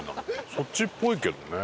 そっちっぽいけどね。